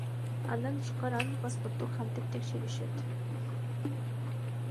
Андан тышкары анын паспортун кантип текшеришет?